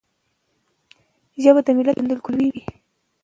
ژبه د ملت پیژندګلوي ده.